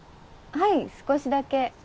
はい少しだけ。